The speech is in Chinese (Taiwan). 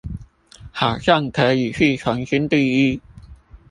好像可以去重新定義